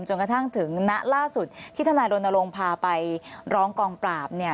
จนกระทั่งถึงณล่าสุดที่ธนาโรนโรงพาไปร้องกองปราบ